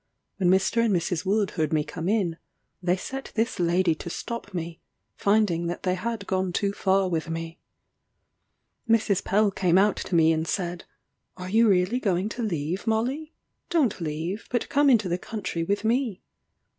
When Mr. and Mrs. Wood heard me come in, they set this lady to stop me, finding that they had gone too far with me. Mrs. Pell came out to me, and said, "Are you really going to leave, Molly? Don't leave, but come into the country with me."